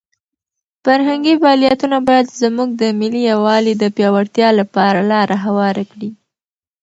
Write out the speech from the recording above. فرهنګي فعالیتونه باید زموږ د ملي یووالي د پیاوړتیا لپاره لاره هواره کړي.